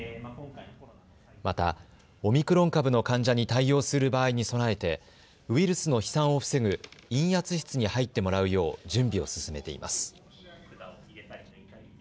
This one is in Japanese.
また、オミクロン株の患者に対応する場合に備えてウイルスの飛散を防ぐ陰圧室に入ってもらうよう準備を進めています。